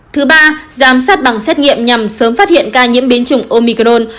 thứ ba giám sát bằng xét nghiệm nhằm sớm phát hiện ca nhiễm biến chủng omicron